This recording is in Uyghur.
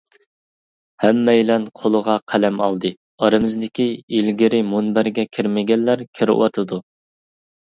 ھەممەيلەن قولىغا قەلەم ئالدى، ئارىمىزدىكى ئىلگىرى مۇنبەرگە كىرمىگەنلەر كىرىۋاتىدۇ.